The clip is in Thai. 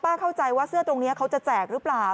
เข้าใจว่าเสื้อตรงนี้เขาจะแจกหรือเปล่า